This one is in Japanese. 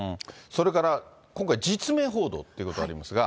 それから、今回実名報道ということありますが。